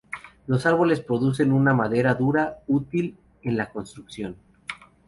Los árboles producen una madera dura, útil en la construcción.